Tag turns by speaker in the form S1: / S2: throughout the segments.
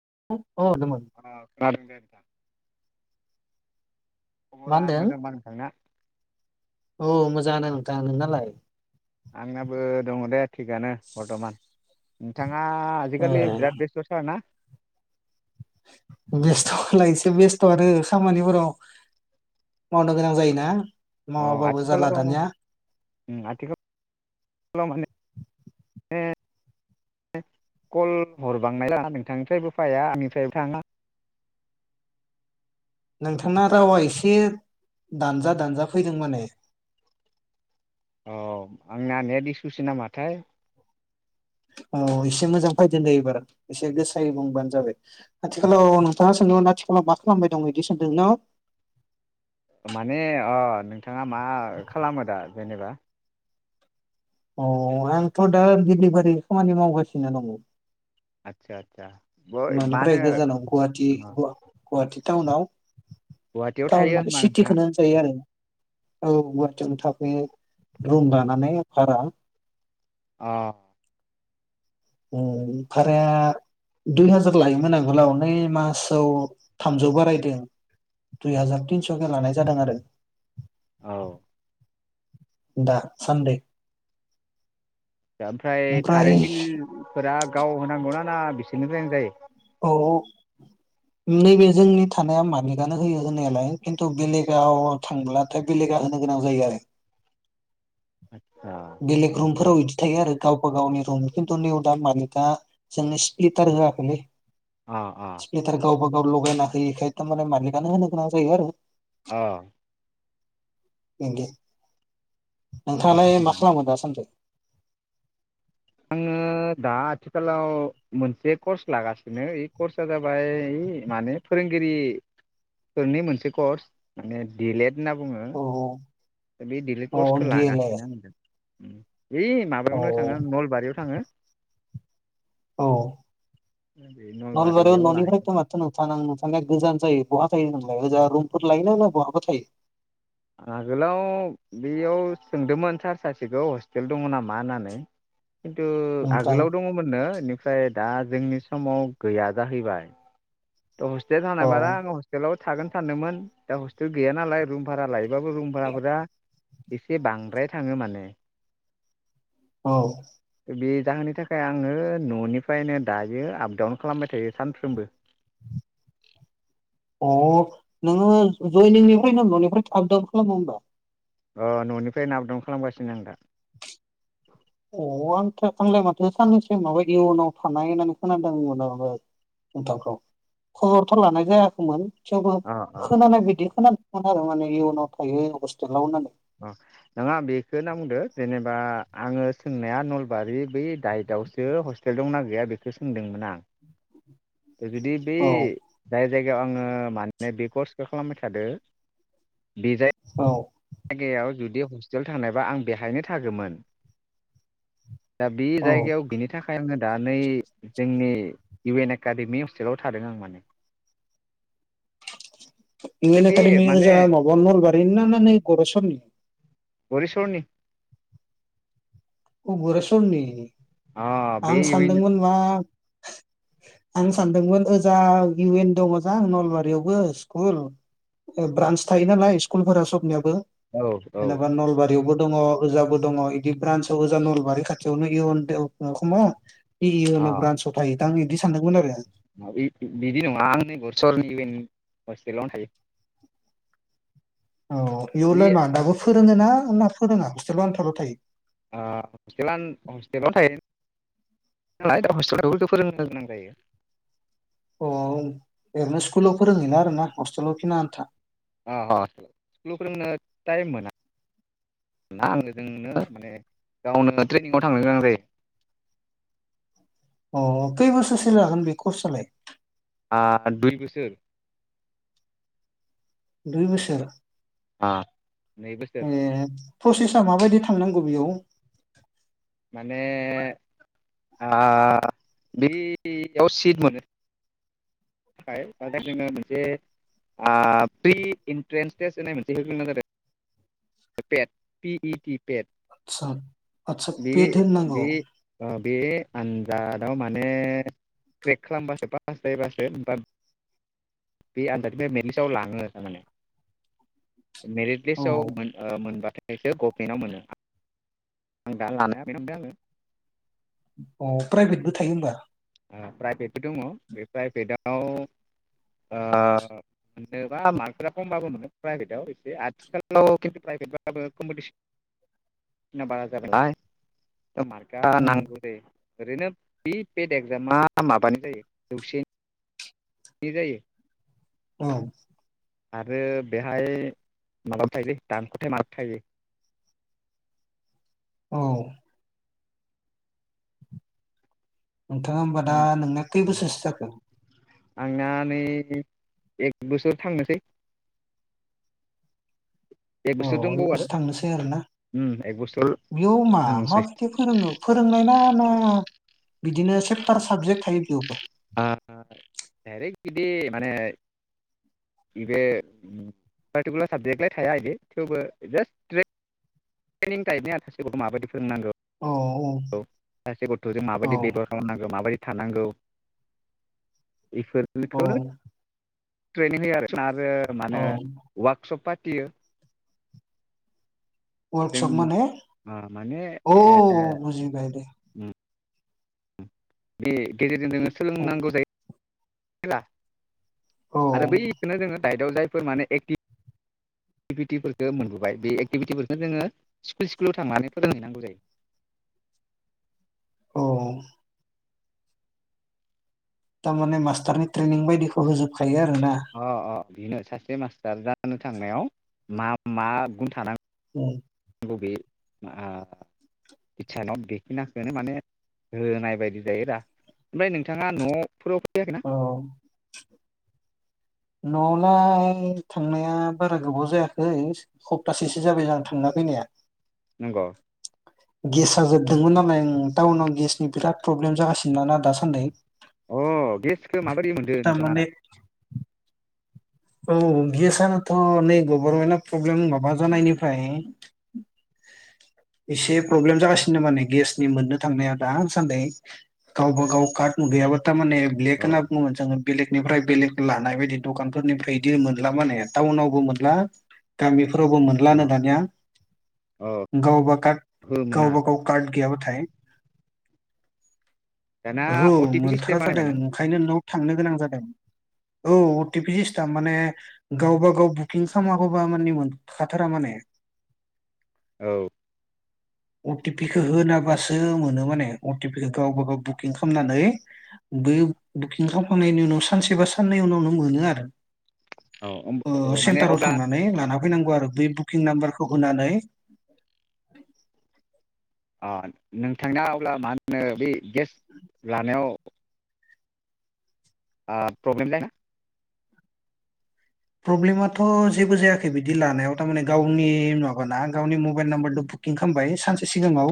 S1: [unintelligible] [unintelligible]
S2: [unintelligible]
S1: मा
S2: खबरा
S1: होनदों
S2: मोजांबा नोंथांना।
S1: औ मोजांङानो नोंथां नोंनालाय?
S2: आंनाबो दङ दे थिगानो बरथमान। नोंथां [unintelligible]
S1: ए
S2: आजिखालि बिराद बेस्ट थारना?
S1: बेस्थलाय एसे बेस्थ आरो खामानिफोराव मावनो गोनां जायोना।
S2: अ
S1: मावाबाबो जाला
S2: आथिखालाव
S1: दानिया
S2: उम आथिखाल माने [unintelligible] कल हरबांनाय [unintelligible] नोंथांनिफ्रायबो फाया आंनिफ्राय थाङा।
S1: नोंथांना रावा एसे दानजा दानजा फैदों माने।
S2: अ आंना नेट इसुसो नामाथाय।
S1: औ एसे मोजां फाइदो दे एबार एसे गोसायै बुंबानो जाबाय आथिखालाव नोंथाङा सोंदों आथिखालाव मा खालामबाय दं बिदि सोंदों न।
S2: माने अ नोंथाङा मा खालामो दा जेनेबा?
S1: अ आंथ दा दिडिलिभारि खामानि मावगासिनो दङ।
S2: आतसा आतसा।
S1: ननिफ्रायनो गोजानाव गुवाटी गुवाटी। ताउनाव
S2: गुवाहाटियाव
S1: टाउन
S2: थायो
S1: माने
S2: होमबा नोंथाङा
S1: सिटिखोनो होनजायो आरो। औ गवाहाटीयावनो थाथयो रुम लानानै भारा।
S2: अ।
S1: उम भाराया दुइ हाजार लायोमोन आगोलाव नै मासाव थामजौ बारायदों दुइ हाजार तिनसके लानाय जादों आरो।
S2: औ।
S1: दा सानदै।
S2: दा ओमफ्राय कारेन्ट बिलफोरा गाव होनांगौ ना बिसोरनिफ्रायनो जायो।
S1: औ नैबे जोंनि थानाया माबलिकआनो होयो होननायालाय खिन्थु बेलेगाव थांब्लाथाय बेलेगा होनो गोनां जायो आरो।
S2: अ
S1: बेलेग रुमफोराव इदि थायो आरो गावबा गावनि रुम। खिन्थु नैयाव दा मालिकआ जोंनो स्लिटार होआखैलै।
S2: आ आ
S1: स्प्लिटार गावबा लगायना होयैखाय तारमाने मालिकानो होनो गोनां जायो आरो
S2: आ
S1: नोंगौ नोंथांङालाय मा [unintelligible] बा सान्दै
S2: आङो दा आथिखालाव मोनसे कर्स लागासिनो इ कर्स आ जाबाय इ माने फोरोंगिरिफोरनि मोनसे कर्स माने डि एल एड‌। होनना बुङो।
S1: औ औ
S2: बे दि लेद
S1: औ
S2: कर्सखौ
S1: डि एल ए
S2: लागासिनो आंदों उम ओइ
S1: औ
S2: माबायावनो थाङो नलबारियाव थाङो
S1: औ नलबारियाव ननिफ्रायथ' माथो नोथां नोथांनिया गोजान जायो बहा थायो नोंलाय ओजा रुमपुर लायोनाय ना बहाबा थायो?
S2: आगोलाव बेयाव सोंदोंमोन सार सासेखौ हस्टेल दङ नामा होननानै खिन्थु
S1: ओमफ्राय
S2: आगोलाव दङमोननो इनिफ्राय दा जोंनि समाव गैया जाहैबाय हस्टेल
S1: औ
S2: थानायबारा आङो हस्टेलाव थागोन सानदोंमोन दा हस्टेल गैया नालाय रुम भारा लायो ओमबाबो रुम भाराफोरा एसे बांद्राय थाङो माने
S1: औ
S2: बे जाहोननि थाखाय आङो ननिफ्रायनो दायो आपडाउन खालामबाय थायो सानफ्रोमबो
S1: अ नोङो जयनिंनिफ्रायनो नों ननिफ्राय आप डाउन खालामो होमबा?
S2: अ ननिफ्रायनो आप दाउन खालामगासिनो आं दा
S1: अ आं आंलाय माथो साननैसो माबा इउनाव थानाय होननानै खोनादोंमोन आङो नोंथांखो खबरथ' लानाय जायाखैमोन थेवबो
S2: अ अ
S1: खोनानाय बिदि खोना [unintelligible] आरो माने इयनाव थायो हस्टेलाव होननानै
S2: अ नङा बेखौ होनना बुंदो जेनेबा आङो सोंनाया नलबारि बै दाइदआवसो हस्टेल दंना गैया बेखौ सोंदोंमोन आं जुदि बे
S1: औ
S2: जाय जायगायाव आङो माने बे कर्सखौ खालामबाय थादो बे जाय
S1: औ
S2: जायगायाव जुदि हस्टेल थांनायबा आं बेवहायनो थागोमोन दा बे
S1: औ
S2: जायगायाव बिनि थाखाय आङो दा नै जोंनि इउ एन एकाडेमि हस्टेलाव थादों आं माने।
S1: इउ
S2: बे
S1: एन
S2: बे
S1: एकाडेमि
S2: माने
S1: ओजा माबा नलबारि ना नै गरेसरनि
S2: गरिसरनि
S1: अ गुरेसरनि?
S2: अ बे
S1: आं
S2: इउ एन
S1: सानदोंमोन मा आं सानदोंमोन ओजा इउ एन दङजां नलबारियावबो स्कुल ब्रान्स थायो नालाय स्कुलफोरा सबनियाबो
S2: औ औ
S1: जेनेबा नलबारियावबो दङ' ओजाबो दङ' बिदि ब्रान्स जा नलबारि खाथियावनो इउन ख
S2: अ
S1: इउन‌आव ब्रान्सयाव थायो दा आं बिदि सानदोंमोन आरो
S2: बिदि नङा आं नै गरेसरनि हस्टेलावनो थायो।
S1: औ इउल
S2: बे
S1: मा दा फोरोङोना होनना फोरोङा हस्टेलाव आनथाल' थायो?
S2: ओ हस्टेलाव थायो नालाय दा हस्टेलावबो फोरोंनो गोनां जायो।
S1: अ ओरैनो स्कुलाव फोरोंहैना आरो ना हस्टेलाव खिना आन्था?
S2: अ स्कुलाव फोरोंनो टाइम मोना आङो जोंनो माने गावनो ट्रेनिंआव थांनो गोनां जायो।
S1: अ खै बोसोरसो जागोन बे कर्सलाय?
S2: ओ दुइ बोसोर।
S1: दुइ बोसोर?
S2: आ नै बोसोर
S1: ए प्रसेसा माबायदि थांनांगौ बेयाव?
S2: माने बेयाव ओ सिट मोनो थाखाय जोंनो मोनसे फ्रि इन्ट्रेन्स टेस्ट होननाय मोनसे होग्रोनां जादों पेत पि इ टि पेट
S1: आदसा आदसा
S2: बे
S1: पेट होननांगौ?
S2: बे ओ बे आनजादाव माने क्रेक खालामबासो पास जायबासो बे आनजादनिफ्राय बे मेलिसाव लाङो थारमाने मेरिट
S1: औ
S2: लिसाव मोनबाथाय बेखौ गभमेन्टाव मोनो आं दा लानाया बे नदों आङो
S1: अ प्राइभेटबो थायो होनबा?
S2: प्राइभेटबो दङ' बे प्राइभेटाव मोनोबा मार्कफोरा खमबाबो मोनो प्राइभेटआव एसे आथिखालाव खिन्थु प्राइभेटबाबो कमपिटिसन बारा जाबायनालाय मारगा
S1: उम
S2: नांगौ दे। ओरिनो बि पेट एक्जामा माबानि जायो जौसे नि जायो
S1: औ।
S2: आरो बेहाय माबाबो थयोलै दानख'थाय माबो थायो।
S1: औ। नोंथाङा होमबा दा
S2: आं
S1: नोंना खै बोसोरसो जाखो?
S2: आंना नै एक बोसोर थांनोसै। एक बोसोर
S1: औ
S2: दंबावो
S1: बेबोसो
S2: आरो
S1: थांनोसै आरोना
S2: उम एक बोसोर
S1: बेयाव मा
S2: थांनोसै
S1: माबायदि फोरोङो फोरोंनाय? [inaudible] बिदिनो सेपटार साबजेक्ट थायो बेवबो
S2: ओ दारेक्ट बिदि माने बे पार्टिकुलार साबजेक्टलाय थाया बिदि थेवबो जासट ट्रनिंटाइपनि आ सासेखौथ माबायदि फोरोंनांगौ
S1: औ
S2: सासे गथ'जों
S1: औ
S2: माबायदि बेबहार खालामनांगौ माबायदि थानांगौ इफोर
S1: औ
S2: लखौनो ट्रेनिं होयो आरो [unintelligible] मानो
S1: औ
S2: वर्कशप थियो। जों
S1: वर्कशप मने
S2: माने
S1: अ बजि बाय दे।
S2: [unintelligible] गेजेरजों जोङो
S1: औ
S2: सोलोंनांगौ जायो। [unintelligible]
S1: औ
S2: आरो बैखोनो जोङो दाइदआव जायफोर माने एक्टिभिटिफोरखो मोनग्रोबाय बे एक्टिभिटिफोरखो जोङो स्कुल स्कुलाव थांनानै फोरोंहैनांगौ जायो।
S1: औ। थारमाने मास्टारनि ट्रेनिं बायदिखौ होजोब थायो आरोना।
S2: बिनो सासे मास्टार जानो थांनायाव मा मा गुन थानां
S1: [unintelligible]
S2: बबे आ इसानाव बेखिनाखोनो माने होनाय बायदि जायो रा ओमफ्राय नोंथाङा न'फोराव फैयाखैना
S1: औ न' [unintelligible] थांनाया बारा गोबाव जायाखै खप्तासेसो जाबाय आ थांना फैनाया।
S2: नंगौ।
S1: गेस आ जोबदोंमोन नालाय टाउनाव गेसनि बिराद प्रब्लेम जागासिना ना दासान्दै।
S2: अ गेसखो माबायदि मोनदो नोंथाङा
S1: थारमाने
S2: दा।
S1: औ गेसनोथ नै गभरमेनआव प्रब्लेम माबा जानायनिफ्राय एसे प्रब्लेम जागासिनो माने गेसनि मोननो थांनाया दासान्दै गावबगाव कार्ट उनुगैयाबा तारमाने ब्लेक होनना
S2: अ
S1: बुङो जोंङो। बेलेगनिफ्राय बेलेग लानाय बायदि दखान निफ्राय इदि मोनला माने टाउनावबो मोनला गामि फोरावबो
S2: अ
S1: मोनलानो दानिया
S2: अ
S1: गावबा कार्ट
S2: हो मोना
S1: गावबा गाव कार्ट गैया बाथाय है।
S2: दाना
S1: ओहो
S2: अटिपि
S1: मोनथारा
S2: सिस्टेम
S1: जादों
S2: बानायबायना
S1: ओंखायनो न' आव थांनो गोनां जादों। औ टि पि सिस्टाम माने गावबा गाव बुकिं खामागौबा मानि मोनखाथारा माने।
S2: औ।
S1: अ टि पि खो होनाबासो मोनो माने अ टि पि खो गावबागाव बुकिं खामनानै बै बुकिं खामखांनायनि उनाव सानसेबा साननै उनावनो मोनो नो आरो।
S2: औ अम अ माने अब्ला
S1: होनांगौ आरो बै बुकिं नाम्बारखौ होनानै
S2: आ नोंथांना अब्ला मा होनो बे गेस लानायाव आ प्रब्लेम जाया?
S1: प्रब्लेमाथ' जेबो जायाखै बिदि लानायाव थारमाने गावनि माबाना गावनि मबाइल नाम्बारदो बुकिं खामबाय सानसे सिगाङाव।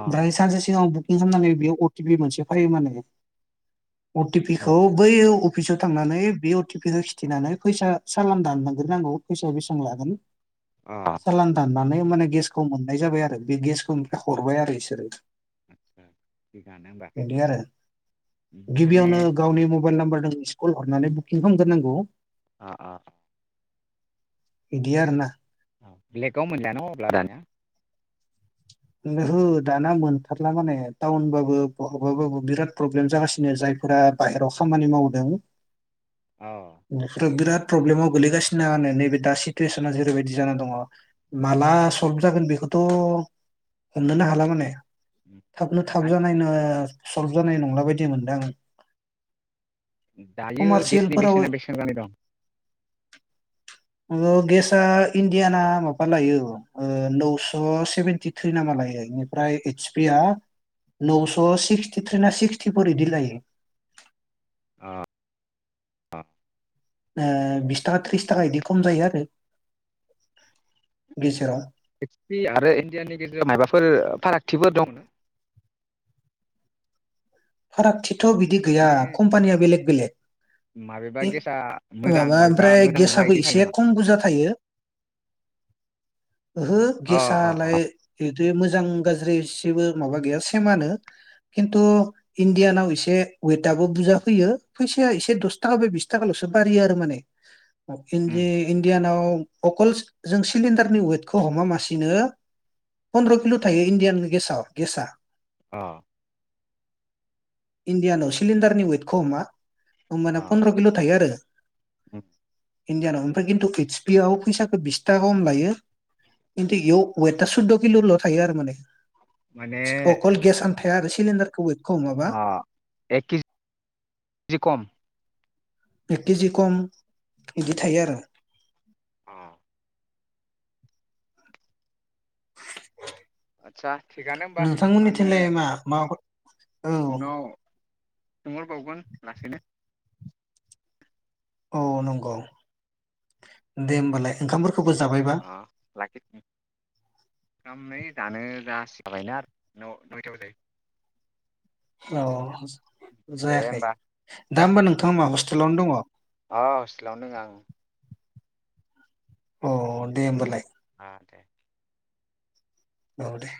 S2: अ
S1: सानसे सिगाङाव बुक किं खामनानै बेयाव अ टि पि मोनसे फायो माने। अ टि पि
S2: औ
S1: खौ बै अ अफिसाव थांनानै बे अ टि पि खौ खिथिनानै फैसा सालान दाननां गोरनांगौ फैसाया बेसां लागोन।
S2: अ
S1: सालान दान माने माने गेसखौ मोननाय जाबाय आरो बे गेसखौ हरबाय आरो इसोरो।
S2: आदसा थिगानो होमबा
S1: इदि आरो
S2: माने
S1: गिबियावनो गावनि मु मबाइल नाम्बार दों मिसकल हरनानै बुकिं खामथारनांगौ।
S2: आ आ
S1: इदि आरो ना।
S2: औ ब्लेकाव मोनला न अब्ला दानिया?
S1: ओहो दाना मोनथारला माने टाउनबाबो बहाबाबाबो बिराद प्रब्लेम जागासिनो जायफोरा बाहेराव खामानि मावदों।
S2: अ
S1: इनिफ्राय बिराद प्रब्लेमाव गोलैगासिनोआनो नैबे दा सिटुवेसना जेरैबायदि जाना दङ माला सल्भ जागोन बेखौथ' हमनोनो हाला माने। थाबनो थाब जानाय ना सल्भ जानाय नंला बायदि मोनदाङो।
S2: दायो गेसनि बेसेना बेसेबां जाना दं?
S1: ओ गेसआ इण्डियाना माबा लायो ओ नौस' सेभेेनटि। थ्रि ना मा लायो इनिफ्राय एतस पि आ नौस' सिक्सटिथ्रि ना सिक्सटिफोर इदि लायो।
S2: अ
S1: ओ बिस थाखा थ्रिस थाखा इदि खम जायो आरो। गेजेराव
S2: एतस पि आरो इण्डियाननि गेजेराव मायाबाफोर फारागथिफोर दं? [inaudible]
S1: फारागथि थ बिदि गैया
S2: माने
S1: कम्पानिया बेलेग बेलेग।
S2: माबेबा
S1: एख
S2: गेसआ मोजां
S1: माबा
S2: माबेबा
S1: ओमफ्राय
S2: मोजां नङा
S1: गेसाबो
S2: इदि थायो
S1: एसे
S2: नामा
S1: खम बुरजा थायो। ओहो
S2: अ अ
S1: गेसालाय
S2: अ
S1: बे मोजां गाज्रि एसेबो माबा गैया सेमानो खिन्थु इण्डियानाव एसे वेट आबो बुरजा फैयो फैसाया एसे दस थाखा बा बिस थाखाल'सो बारियो आरो माने।
S2: उम
S1: इणडि इणडियानाव अकल जों सिलिणडारनि वेटखौ हमा मासेनो पन्द्रकिल' थायो इण्डियान गेसाव गेसा।
S2: अ।
S1: इणडियानाव सिलिडारनि वेदखौ हमा। होमबाना
S2: अ
S1: पन्द्र‌किल थायो आरो।
S2: उम।
S1: इण्डियानाव ओमफ्राय खिन्थु एतस पि आव फैसाखौ बिसथाखा खम लायो खिन्थु इयाव वेदा सुद्द' किलल' थायो आरो माने।
S2: माने
S1: थाया आरो‌ सिलिण्डारखौबो
S2: अ एक केजि जि खम।
S1: एक केजि खम बिदि थायो आरो।
S2: उम। आदसा थिगानो होमबा मा होनो
S1: नोंथांमोननिथिंलाय मा माबाफोर
S2: उनाव सोंहरबावगोन लासैनो
S1: औ नंगौ दे होमबालाय ओंखामफोर
S2: अ [unintelligible] दानो जासिखाबायना न नयथायाव जायो।
S1: औ।
S2: दे
S1: जायाखै।
S2: होमबा
S1: दा होमबा नोंथाङा मा हस्टेलावनो दङ?
S2: अ हस्टेलावनो दोङी आं।
S1: अ दे होमबालाय।
S2: अ आं दे ‌
S1: औ दे।